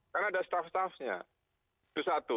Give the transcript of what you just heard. karena ada staff staffnya itu satu